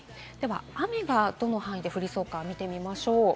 雨がどの範囲で降りそうか見てみましょう。